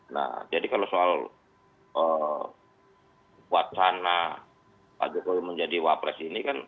nah jadi kalau soal wacana pak jokowi menjadi wapres ini kan